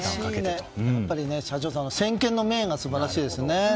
やっぱり社長は先見の目が素晴らしいですよね。